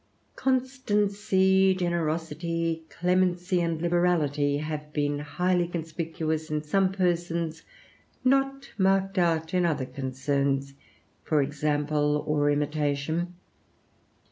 Constancy, generosity, clemency, and liberality have been highly conspicuous in some persons not marked out in other concerns for example or imitation.